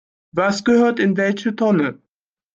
Was gehört in welche Tonne?